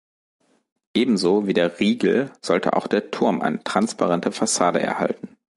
Ebenso wie der „Riegel“ sollte auch der „Turm“ eine transparente Fassade erhalten.